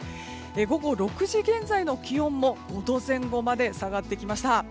午後６時現在の気温も５度前後まで下がってきました。